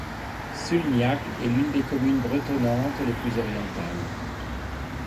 Sulniac est l'une des communes bretonnantes les plus orientales.